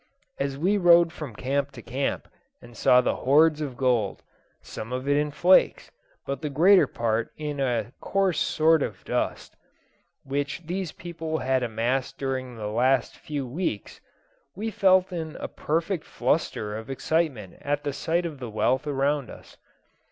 As we rode from camp to camp, and saw the hoards of gold some of it in flakes, but the greater part in a coarse sort of dust which these people had amassed during the last few weeks, we felt in a perfect fluster of excitement at the sight of the wealth around us.